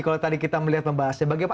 kalau tadi kita melihat membahasnya